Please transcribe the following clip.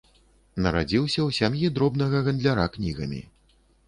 Нарадзіўся ў сям'і дробнага гандляра кнігамі.